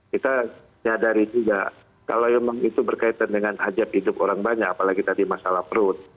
kita nyadari juga kalau memang itu berkaitan dengan hajat hidup orang banyak apalagi tadi masalah perut